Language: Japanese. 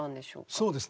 そうですね。